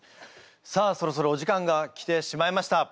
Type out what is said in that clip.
さあそろそろお時間が来てしまいました。